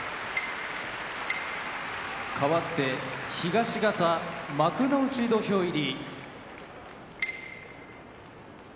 かわって東方幕内土俵入り。